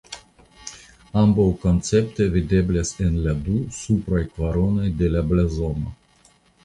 Ambaŭ konceptoj videblas en la du supraj kvaronoj de la blazono.